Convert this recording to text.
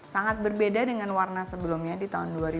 sangat berbeda dengan warna yang kita pakai di tahun depan